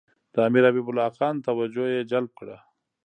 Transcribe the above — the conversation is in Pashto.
د امیر حبیب الله خان توجه یې جلب کړه.